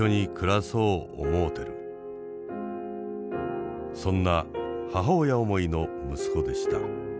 そんな母親思いの息子でした。